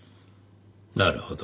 なるほど。